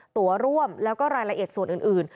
ตัวร่วมแล้วก็รายละเอียดส่วนอื่น